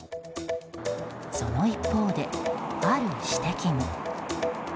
その一方で、ある指摘も。